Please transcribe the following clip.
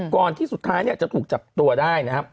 ก่อนที่สุดท้ายจะถูกจับตัวได้นะครับ